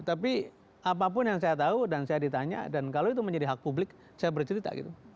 tapi apapun yang saya tahu dan saya ditanya dan kalau itu menjadi hak publik saya bercerita gitu